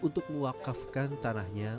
untuk mewakafkan tanahnya